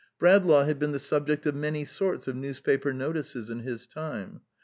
Bradlaugh had been the subject of many sorts of newspaper notices in his time.